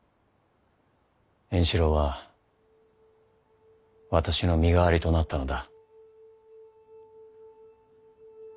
円四郎は私の身代わりとなったのだ。